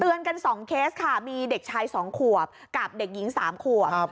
เตือนกันสองเคสค่ะมีเด็กชายสองขวบกับเด็กหญิงสามขวบครับ